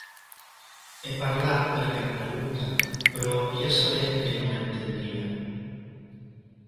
He parlat perquè em pregunta, però ja sabent que no m'entendria.